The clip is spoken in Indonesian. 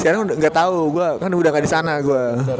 sekarang nggak tahu gue kan udah gak di sana gue